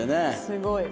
すごい。